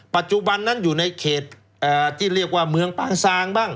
ปัจจุบันนั้นอยู่ในเขตที่เรียกว่าเมืองปางซางบ้าง